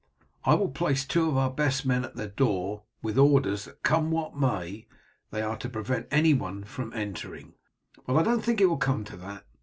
I will place two of our best men at their door with orders that come what may they are to prevent anyone from entering. But I don't think it will come to that.